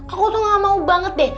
aku tuh gak mau banget deh